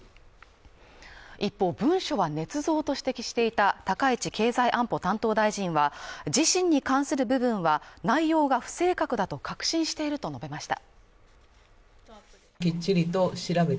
一方文書は捏造と指摘していた高市経済安保担当大臣は、自身に関する部分は内容が不正確だと確信していると述べました。